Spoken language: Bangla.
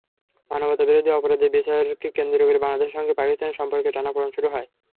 মানবতাবিরোধী অপরাধের বিচারকে কেন্দ্র করে বাংলাদেশের সঙ্গে পাকিস্তানের সম্পর্কের টানাপোড়েন শুরু হয়।